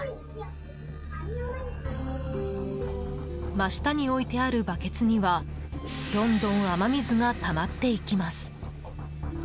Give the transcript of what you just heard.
真下に置いてあるバケツにはどんどん雨水がたまっていきます。